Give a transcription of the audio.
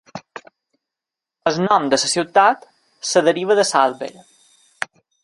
El nom de la ciutat es deriva de l'àlber.